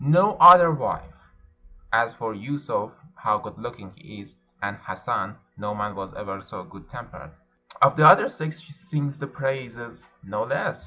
no other wife. As for Yusuf, how good looking he is! And Has san, no man was ever so good tempered. Of the other sex she sings the praises no less.